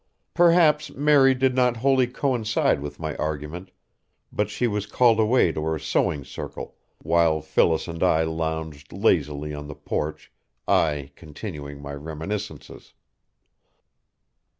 Perhaps Mary did not wholly coincide with my argument, but she was called away to her sewing circle, while Phyllis and I lounged lazily on the porch, I continuing my reminiscences.